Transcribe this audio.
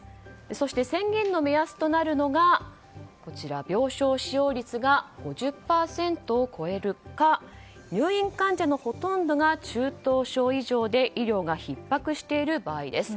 そして、宣言の目安となるのが病床使用率が５０％を超えるか入院患者のほとんどが中等症以上で医療がひっ迫している場合です。